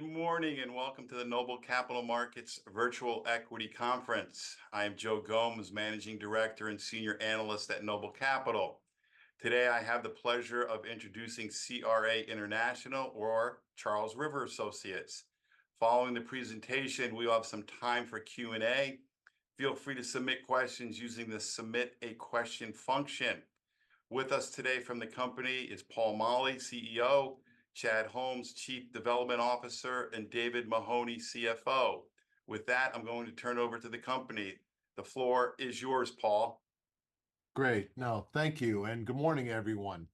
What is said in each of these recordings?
Good morning, and welcome to the Noble Capital Markets Virtual Equity Conference. I am Joe Gomes, Managing Director and Senior Analyst at Noble Capital. Today, I have the pleasure of introducing CRA International or Charles River Associates. Following the presentation, we will have some time for Q&A. Feel free to submit questions using the Submit a Question function. With us today from the company is Paul Maleh, CEO, Chad Holmes, Chief Development Officer, and Daniel Mahoney, CFO. With that, I'm going to turn it over to the company. The floor is yours, Paul. Great. No, thank you, and good morning, everyone.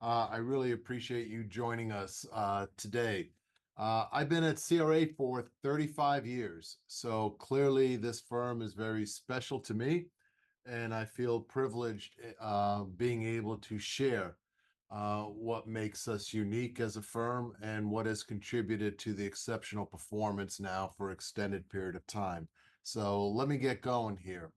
I really appreciate you joining us, today. I've been at CRA for 35 years, so clearly this firm is very special to me, and I feel privileged, being able to share, what makes us unique as a firm and what has contributed to the exceptional performance now for extended period of time. So let me get going here.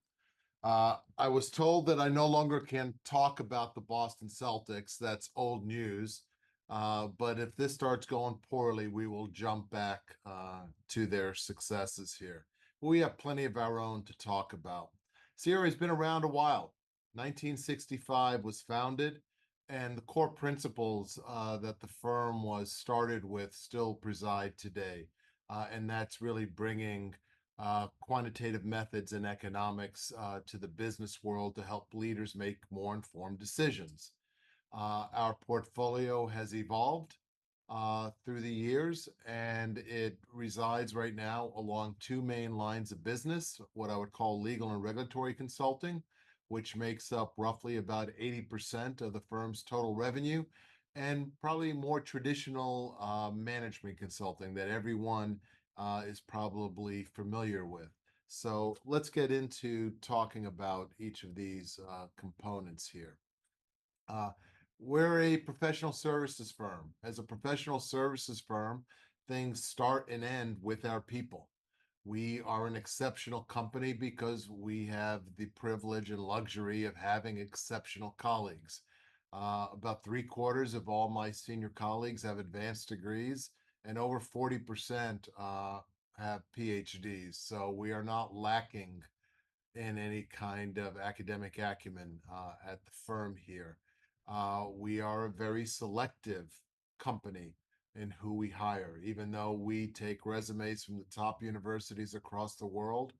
I was told that I no longer can talk about the Boston Celtics. That's old news. But if this starts going poorly, we will jump back, to their successes here. We have plenty of our own to talk about. CRA has been around a while. 1965 was founded, and the core principles, that the firm was started with still preside today. And that's really bringing quantitative methods and economics to the business world to help leaders make more informed decisions. Our portfolio has evolved through the years, and it resides right now along two main lines of business, what I would call legal and regulatory consulting, which makes up roughly about 80% of the firm's total revenue, and probably more traditional management consulting that everyone is probably familiar with. So let's get into talking about each of these components here. We're a professional services firm. As a professional services firm, things start and end with our people. We are an exceptional company because we have the privilege and luxury of having exceptional colleagues. About three-quarters of all my senior colleagues have advanced degrees, and over 40%, have PhDs, so we are not lacking in any kind of academic acumen at the firm here. We are a very selective company in who we hire. Even though we take resumes from the top universities across the world,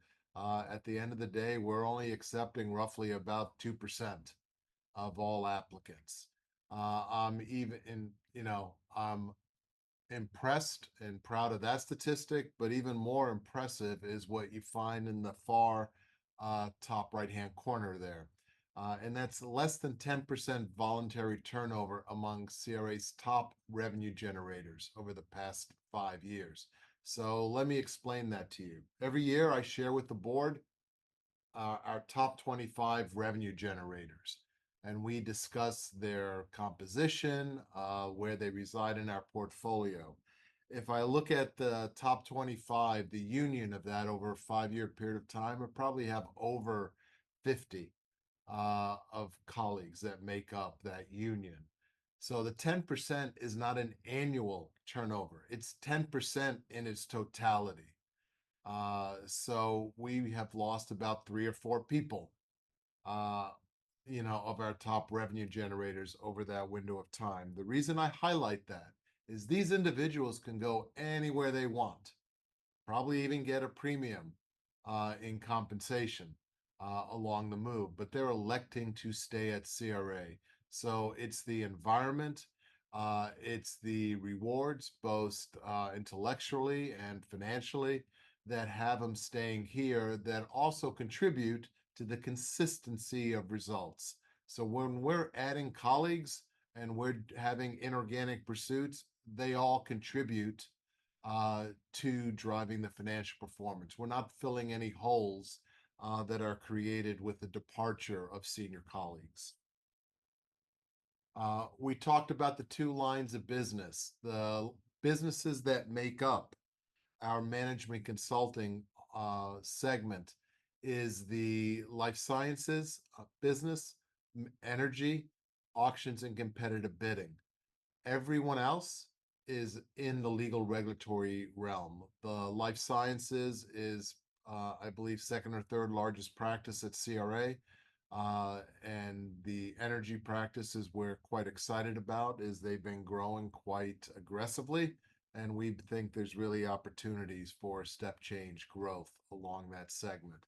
at the end of the day, we're only accepting roughly about 2% of all applicants. You know, I'm impressed and proud of that statistic, but even more impressive is what you find in the far top right-hand corner there. And that's less than 10% voluntary turnover among CRA's top revenue generators over the past five years. So let me explain that to you. Every year I share with the board, our top 25 revenue generators, and we discuss their composition, where they reside in our portfolio. If I look at the top 25, the union of that over a 5-year period of time, I probably have over 50, of colleagues that make up that union. So the 10% is not an annual turnover. It's 10% in its totality. So we have lost about three or four people, you know, of our top revenue generators over that window of time. The reason I highlight that is these individuals can go anywhere they want, probably even get a premium, in compensation, along the move, but they're electing to stay at CRA. So it's the environment, it's the rewards, both, intellectually and financially, that have them staying here, that also contribute to the consistency of results. So when we're adding colleagues, and we're having inorganic pursuits, they all contribute, to driving the financial performance. We're not filling any holes, that are created with the departure of senior colleagues. We talked about the two lines of business. The businesses that make up our management consulting, segment is the life sciences, business, energy, auctions, and competitive bidding. Everyone else is in the legal regulatory realm. The life sciences is, I believe, second or third largest practice at CRA. And the energy practices we're quite excited about, is they've been growing quite aggressively, and we think there's really opportunities for step change growth along that segment.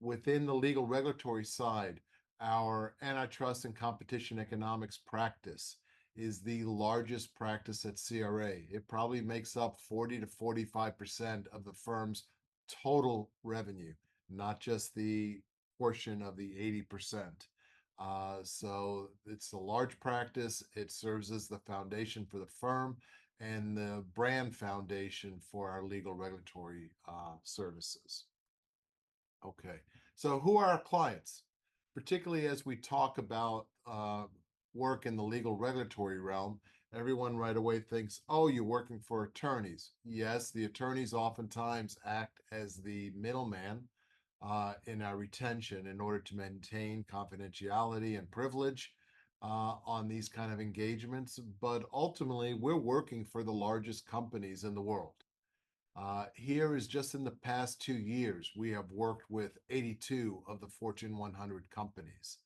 Within the legal regulatory side, our antitrust and competition economics practice is the largest practice at CRA. It probably makes up 40%-45% of the firm's total revenue, not just the portion of the 80%. So it's a large practice. It serves as the foundation for the firm and the brand foundation for our legal regulatory services. Okay, so who are our clients? Particularly as we talk about work in the legal regulatory realm, everyone right away thinks, "Oh, you're working for attorneys." Yes, the attorneys oftentimes act as the middleman in our retention in order to maintain confidentiality and privilege on these kind of engagements. But ultimately, we're working for the largest companies in the world. Here is just in the past two years, we have worked with 82 of the Fortune 100 companies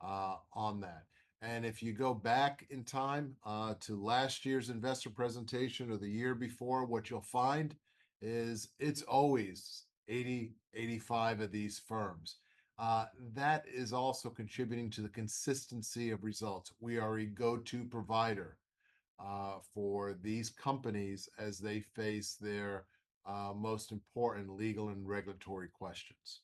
on that. If you go back in time to last year's investor presentation or the year before, what you'll find is it's always 80, 85 of these firms. That is also contributing to the consistency of results. We are a go-to provider for these companies as they face their most important legal and regulatory questions.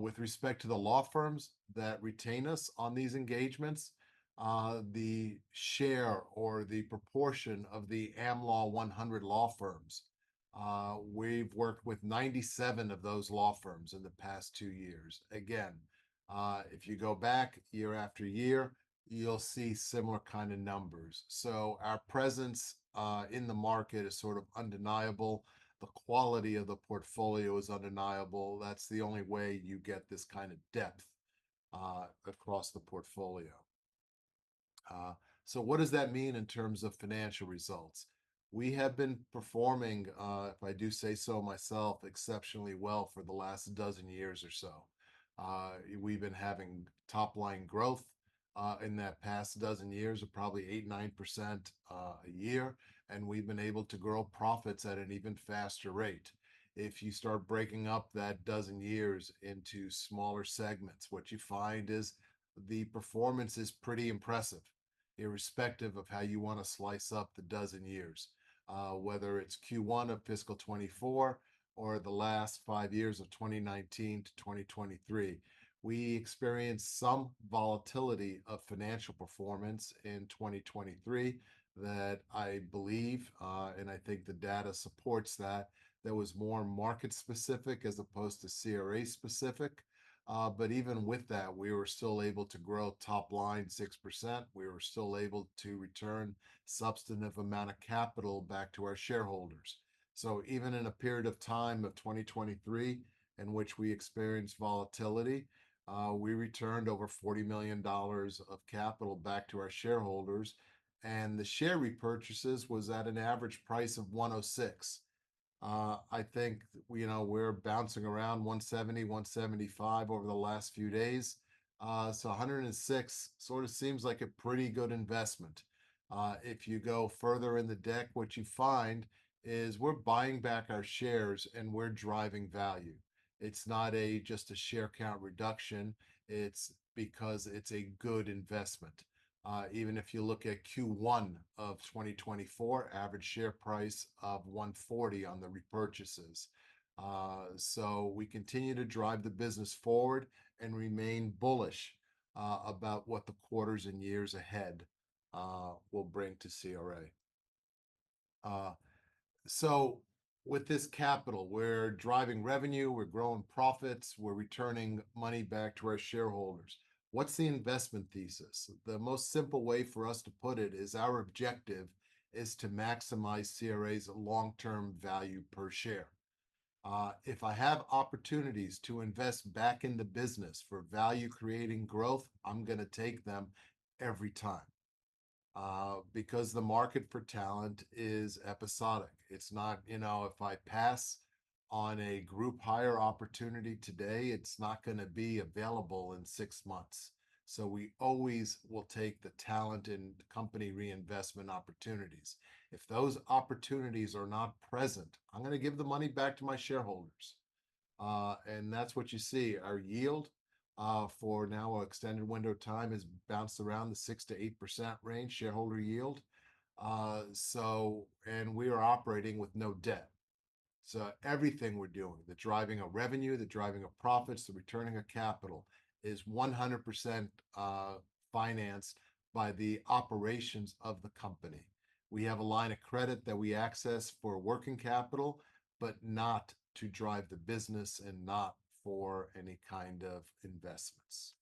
With respect to the law firms that retain us on these engagements, the share or the proportion of the Am Law 100 law firms, we've worked with 97 of those law firms in the past two years. Again, if you go back year after year, you'll see similar kind of numbers. Our presence in the market is sort of undeniable. The quality of the portfolio is undeniable. That's the only way you get this kind of depth across the portfolio. So what does that mean in terms of financial results? We have been performing, if I do say so myself, exceptionally well for the last dozen years or so. We've been having top-line growth in that past dozen years of probably 8%-9% a year, and we've been able to grow profits at an even faster rate. If you start breaking up that dozen years into smaller segments, what you find is the performance is pretty impressive, irrespective of how you want to slice up the dozen years, whether it's Q1 of fiscal 2024 or the last five years of 2019 to 2023. We experienced some volatility of financial performance in 2023 that I believe, and I think the data supports that, that was more market specific as opposed to CRA specific. But even with that, we were still able to grow top-line 6%. We were still able to return substantive amount of capital back to our shareholders. So even in a period of time of 2023 in which we experienced volatility, we returned over $40 million of capital back to our shareholders, and the share repurchases was at an average price of $106. I think, you know, we're bouncing around 170, 175 over the last few days. So 106 sort of seems like a pretty good investment. If you go further in the deck, what you find is we're buying back our shares, and we're driving value. It's not a just a share count reduction, it's because it's a good investment. Even if you look at Q1 of 2024, average share price of $140 on the repurchases. So we continue to drive the business forward and remain bullish about what the quarters and years ahead will bring to CRA. So with this capital, we're driving revenue, we're growing profits, we're returning money back to our shareholders. What's the investment thesis? The most simple way for us to put it is our objective is to maximize CRA's long-term value per share. If I have opportunities to invest back in the business for value-creating growth, I'm gonna take them every time, because the market for talent is episodic. It's not... You know, if I pass on a group hire opportunity today, it's not gonna be available in six months. So we always will take the talent and company reinvestment opportunities. If those opportunities are not present, I'm gonna give the money back to my shareholders. And that's what you see. Our yield, for now, an extended window of time, has bounced around the 6%-8% range shareholder yield. So, and we are operating with no debt. So everything we're doing, the driving of revenue, the driving of profits, the returning of capital, is 100% financed by the operations of the company. We have a line of credit that we access for working capital, but not to drive the business and not for any kind of investments.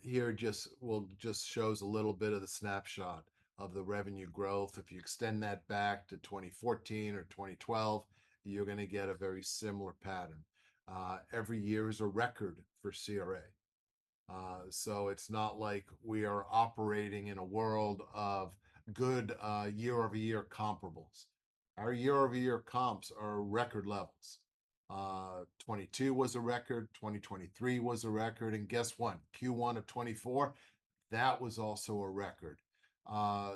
Here just, well, just shows a little bit of the snapshot of the revenue growth. If you extend that back to 2014 or 2012, you're gonna get a very similar pattern. Every year is a record for CRA. So it's not like we are operating in a world of good, year-over-year comparables. Our year-over-year comps are record levels. 2022 was a record, 2023 was a record, and guess what? Q1 of 2024, that was also a record.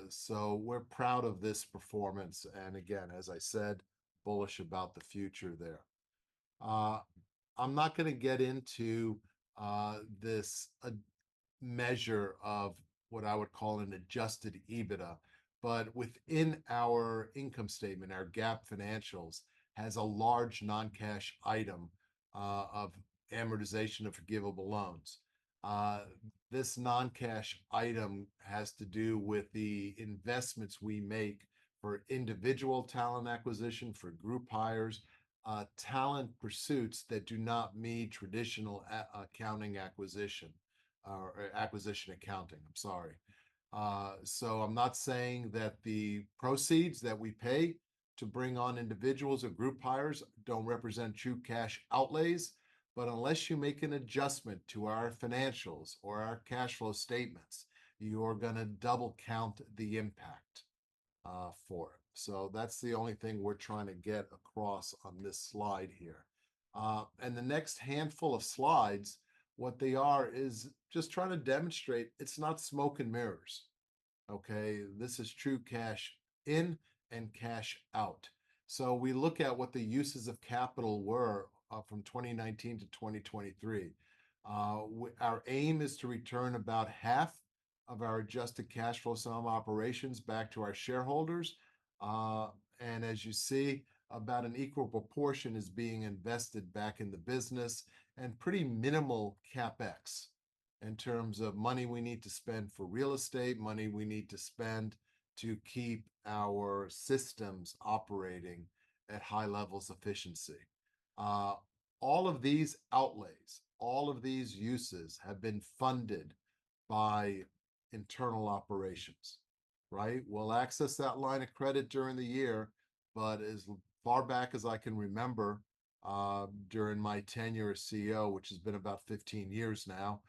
So we're proud of this performance, and again, as I said, bullish about the future there. I'm not gonna get into, this as a measure of what I would call an Adjusted EBITDA, but within our income statement, our GAAP financials has a large non-cash item, of amortization of forgivable loans. This non-cash item has to do with the investments we make for individual talent acquisition, for group hires, talent pursuits that do not meet traditional acquisition accounting, I'm sorry. So I'm not saying that the proceeds that we pay to bring on individuals or group hires don't represent true cash outlays, but unless you make an adjustment to our financials or our cash flow statements, you're gonna double count the impact for it. So that's the only thing we're trying to get across on this slide here. And the next handful of slides, what they are is just trying to demonstrate it's not smoke and mirrors, okay? This is true cash in and cash out. So we look at what the uses of capital were from 2019 to 2023. Our aim is to return about half of our adjusted cash flow from operations back to our shareholders. As you see, about an equal proportion is being invested back in the business and pretty minimal CapEx in terms of money we need to spend for real estate, money we need to spend to keep our systems operating at high levels of efficiency. All of these outlays, all of these uses have been funded by internal operations, right? We'll access that line of credit during the year, but as far back as I can remember, during my tenure as CEO, which has been about 15 years now,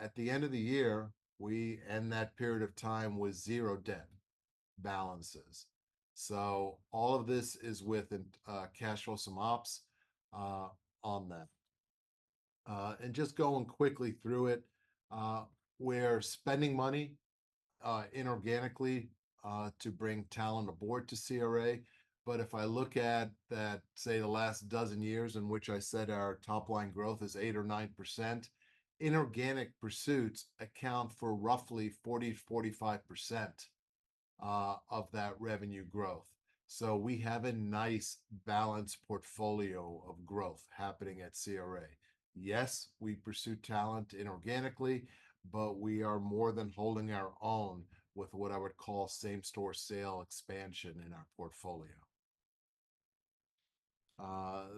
at the end of the year, we end that period of time with 0 debt balances. All of this is with cash flow from ops on that. Just going quickly through it, we're spending money inorganically to bring talent aboard to CRA. But if I look at that, say, the last dozen years in which I said our top line growth is 8% or 9%, inorganic pursuits account for roughly 40%-45% of that revenue growth. So we have a nice balanced portfolio of growth happening at CRA. Yes, we pursue talent inorganically, but we are more than holding our own with what I would call same-store sale expansion in our portfolio.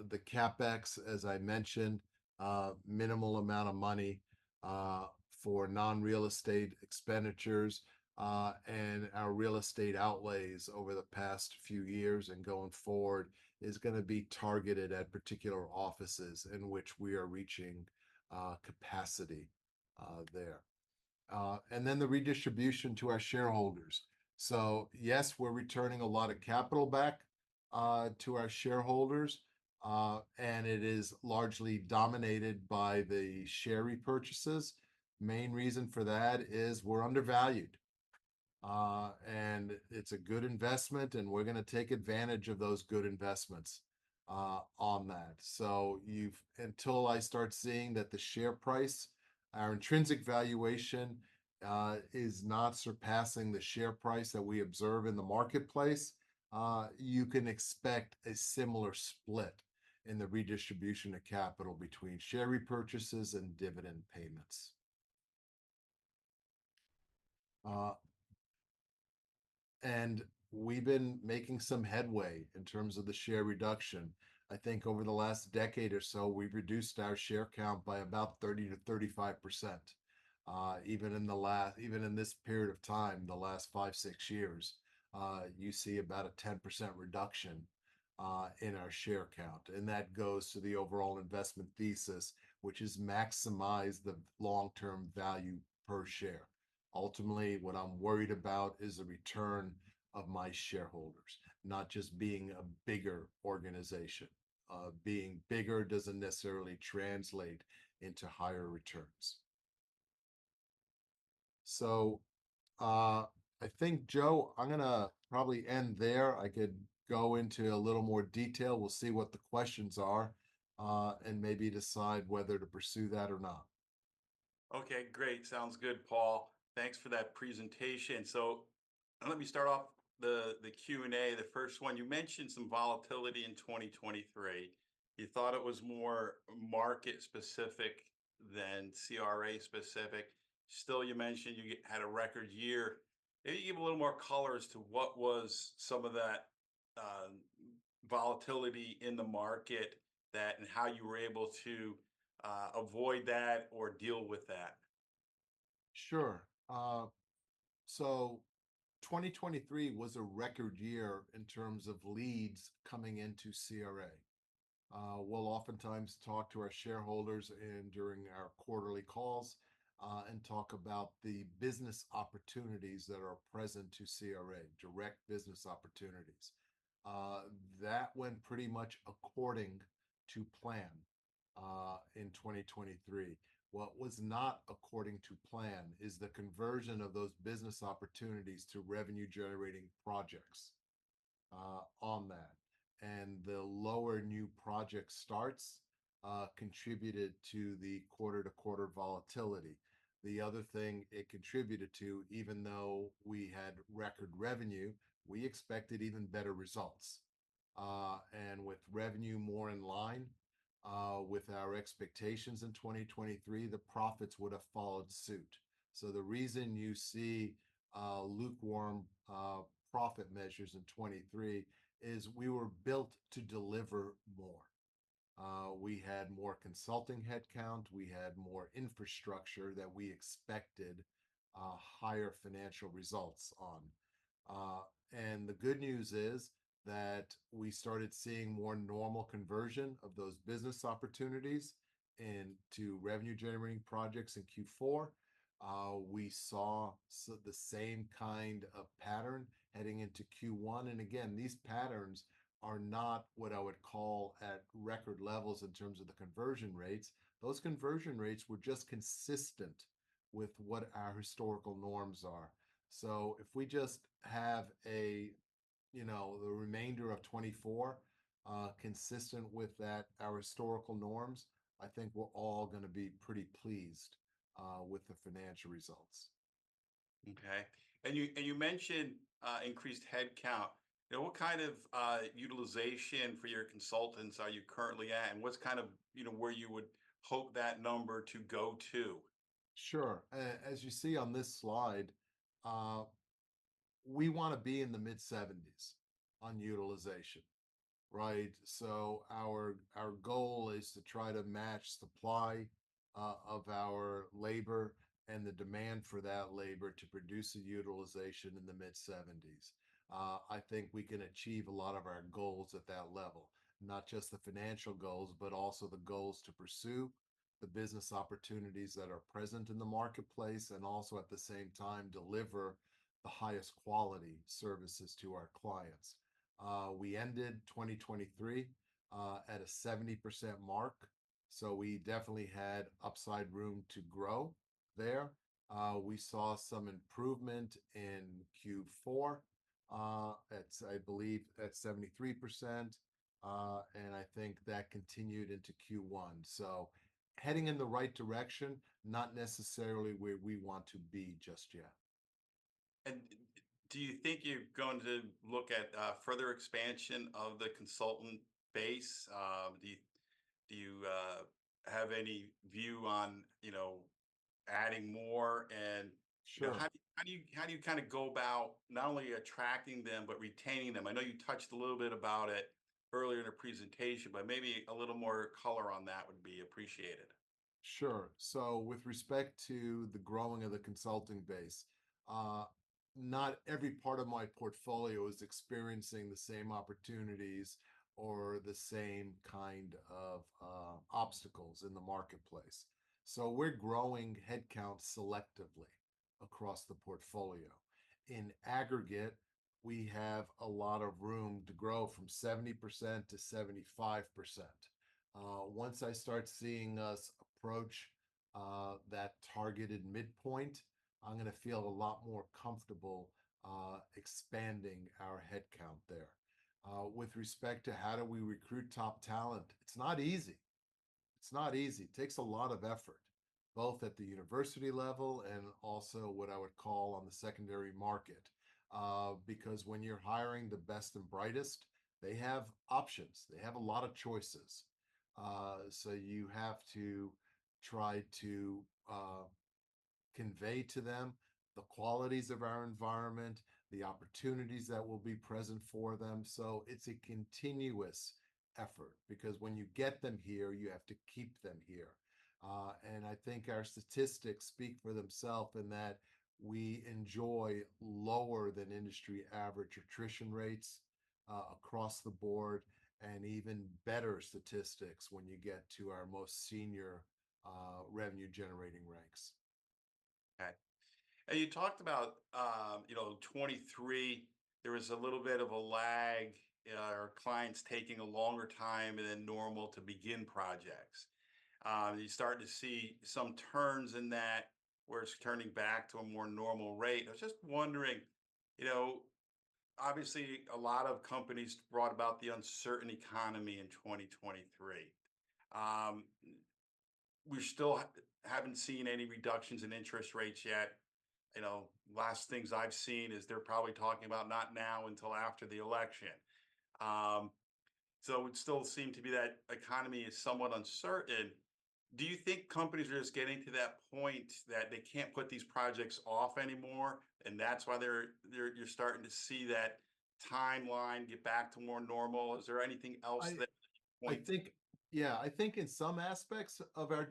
The CapEx, as I mentioned, minimal amount of money for non-real estate expenditures, and our real estate outlays over the past few years and going forward is gonna be targeted at particular offices in which we are reaching capacity there. And then the redistribution to our shareholders. So yes, we're returning a lot of capital back to our shareholders, and it is largely dominated by the share repurchases. Main reason for that is we're undervalued, and it's a good investment, and we're gonna take advantage of those good investments on that. So until I start seeing that the share price, our intrinsic valuation, is not surpassing the share price that we observe in the marketplace, you can expect a similar split in the redistribution of capital between share repurchases and dividend payments. And we've been making some headway in terms of the share reduction. I think over the last decade or so, we've reduced our share count by about 30%-35%. Even in this period of time, the last five, six years, you see about a 10% reduction in our share count, and that goes to the overall investment thesis, which is maximize the long-term value per share. Ultimately, what I'm worried about is the return of my shareholders, not just being a bigger organization. Being bigger doesn't necessarily translate into higher returns. So, I think, Joe, I'm gonna probably end there. I could go into a little more detail. We'll see what the questions are, and maybe decide whether to pursue that or not. Okay, great. Sounds good, Paul. Thanks for that presentation. So let me start off the Q&A. The first one, you mentioned some volatility in 2023. You thought it was more market specific than CRA specific. Still, you mentioned you had a record year. Maybe give a little more color as to what was some of that volatility in the market that... and how you were able to avoid that or deal with that. Sure. So 2023 was a record year in terms of leads coming into CRA. We'll oftentimes talk to our shareholders in during our quarterly calls, and talk about the business opportunities that are present to CRA, direct business opportunities. That went pretty much according to plan, in 2023. What was not according to plan is the conversion of those business opportunities to revenue-generating projects, on that. And the lower new project starts, contributed to the quarter-to-quarter volatility. The other thing it contributed to, even though we had record revenue, we expected even better results. And with revenue more in line, with our expectations in 2023, the profits would have followed suit... So the reason you see, lukewarm, profit measures in 2023 is we were built to deliver more. We had more consulting headcount, we had more infrastructure that we expected, higher financial results on. And the good news is that we started seeing more normal conversion of those business opportunities into revenue-generating projects in Q4. We saw the same kind of pattern heading into Q1. And again, these patterns are not what I would call at record levels in terms of the conversion rates. Those conversion rates were just consistent with what our historical norms are. So if we just have a, you know, the remainder of 2024, consistent with that, our historical norms, I think we're all gonna be pretty pleased, with the financial results. Okay. And you mentioned increased headcount. Now, what kind of utilization for your consultants are you currently at, and what's kind of, you know, where you would hope that number to go to? Sure. As you see on this slide, we wanna be in the mid-70s on utilization, right? So our goal is to try to match supply of our labor and the demand for that labor to produce a utilization in the mid-70s. I think we can achieve a lot of our goals at that level, not just the financial goals, but also the goals to pursue the business opportunities that are present in the marketplace, and also, at the same time, deliver the highest quality services to our clients. We ended 2023 at a 70% mark, so we definitely had upside room to grow there. We saw some improvement in Q4 at, I believe, 73%, and I think that continued into Q1. So heading in the right direction, not necessarily where we want to be just yet. Do you think you're going to look at further expansion of the consultant base? Do you have any view on, you know, adding more? And- Sure... how do you, how do you kinda go about not only attracting them, but retaining them? I know you touched a little bit about it earlier in the presentation, but maybe a little more color on that would be appreciated. Sure. So with respect to the growing of the consulting base, not every part of my portfolio is experiencing the same opportunities or the same kind of obstacles in the marketplace. So we're growing headcount selectively across the portfolio. In aggregate, we have a lot of room to grow from 70% to 75%. Once I start seeing us approach that targeted midpoint, I'm gonna feel a lot more comfortable expanding our headcount there. With respect to how do we recruit top talent, it's not easy. It's not easy. It takes a lot of effort, both at the university level and also what I would call on the secondary market. Because when you're hiring the best and brightest, they have options. They have a lot of choices, so you have to try to convey to them the qualities of our environment, the opportunities that will be present for them. So it's a continuous effort, because when you get them here, you have to keep them here. And I think our statistics speak for themselves in that we enjoy lower than industry average attrition rates, across the board, and even better statistics when you get to our most senior, revenue-generating ranks. Okay. And you talked about, you know, 2023, there was a little bit of a lag in our clients taking a longer time than normal to begin projects. Are you starting to see some turns in that, where it's turning back to a more normal rate? I was just wondering, you know, obviously, a lot of companies brought about the uncertain economy in 2023. We still haven't seen any reductions in interest rates yet. You know, last things I've seen is they're probably talking about not now until after the election. So it still seem to be that economy is somewhat uncertain. Do you think companies are just getting to that point that they can't put these projects off anymore, and that's why they're starting to see that timeline get back to more normal? Is there anything else that- I- point... I think, yeah, I think in some aspects of our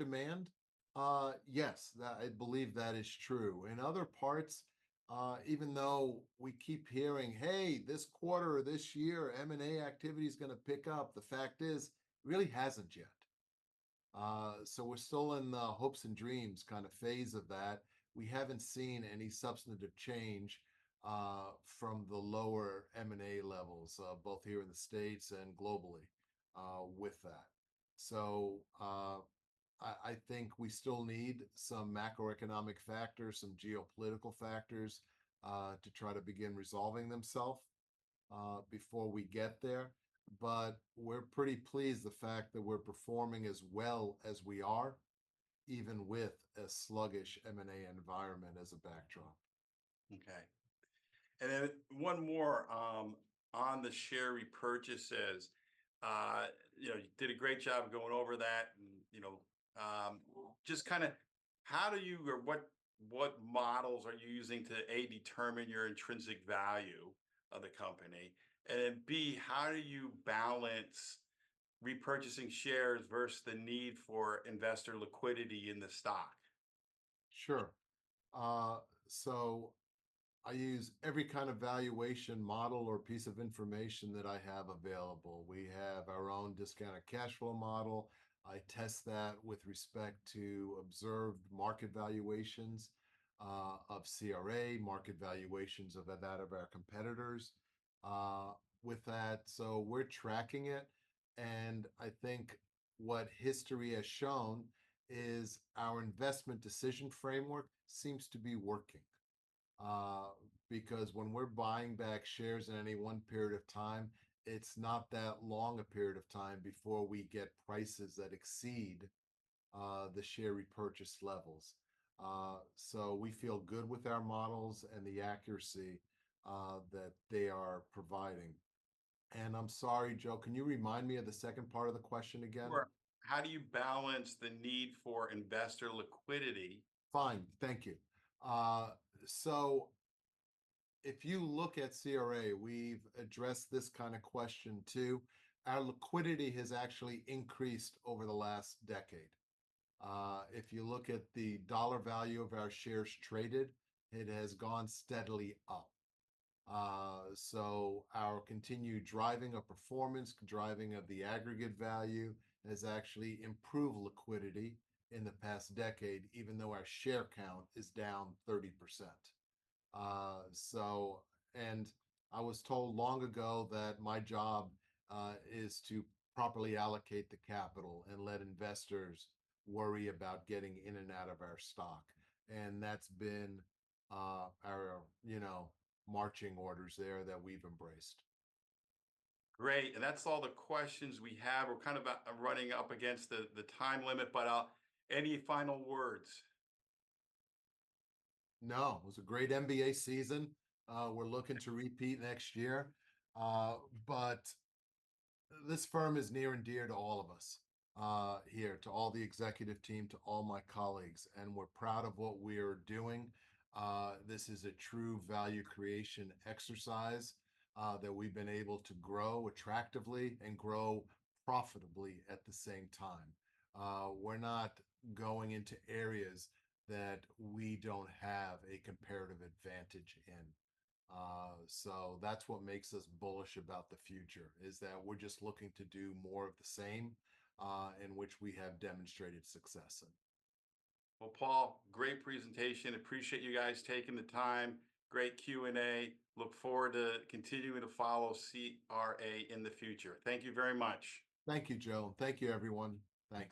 demand, yes, that I believe that is true. In other parts, even though we keep hearing, "Hey, this quarter or this year, M&A activity is gonna pick up," the fact is, it really hasn't yet. So we're still in the hopes and dreams kind of phase of that. We haven't seen any substantive change from the lower M&A levels, both here in the States and globally, with that. So, I think we still need some macroeconomic factors, some geopolitical factors, to try to begin resolving themselves, before we get there. But we're pretty pleased the fact that we're performing as well as we are, even with a sluggish M&A environment as a backdrop. Okay. And then one more on the share repurchases. You know, you did a great job of going over that and, you know, just kind of how do you or what models are you using to, A, determine your intrinsic value of the company? And then, B, how do you balance repurchasing shares versus the need for investor liquidity in the stock? Sure. So I use every kind of valuation model or piece of information that I have available. We have our own discounted cash flow model. I test that with respect to observed market valuations of CRA, market valuations of that, of our competitors with that, so we're tracking it. And I think what history has shown is our investment decision framework seems to be working because when we're buying back shares in any one period of time, it's not that long a period of time before we get prices that exceed the share repurchase levels. So we feel good with our models and the accuracy that they are providing. And I'm sorry, Joe, can you remind me of the second part of the question again? Sure. How do you balance the need for investor liquidity? Fine. Thank you. So if you look at CRA, we've addressed this kind of question, too. Our liquidity has actually increased over the last decade. If you look at the dollar value of our shares traded, it has gone steadily up. So our continued driving of performance, driving of the aggregate value, has actually improved liquidity in the past decade, even though our share count is down 30%. So and I was told long ago that my job is to properly allocate the capital and let investors worry about getting in and out of our stock, and that's been our, you know, marching orders there that we've embraced. Great. That's all the questions we have. We're kind of running up against the time limit, but any final words? No. It was a great NBA season. We're looking to repeat next year. But this firm is near and dear to all of us here, to all the executive team, to all my colleagues, and we're proud of what we are doing. This is a true value creation exercise that we've been able to grow attractively and grow profitably at the same time. We're not going into areas that we don't have a comparative advantage in. So that's what makes us bullish about the future, is that we're just looking to do more of the same in which we have demonstrated success in. Well, Paul, great presentation. Appreciate you guys taking the time. Great Q&A. Look forward to continuing to follow CRA in the future. Thank you very much. Thank you, Joe. Thank you, everyone. Thank you.